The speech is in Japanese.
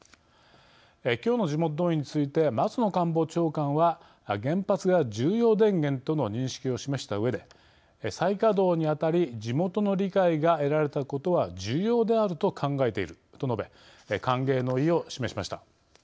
きょうの地元同意について松野官房長官は原発が重要電源との認識を示したうえで「再稼働にあたり地元の理解が得られたことは重要であると考えている」と述べ歓迎の意を示しました。